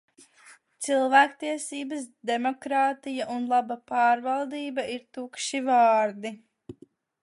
Cilvēktiesības, demokrātija un laba pārvaldība ir tukši vārdi.